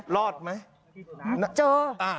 รอดไหม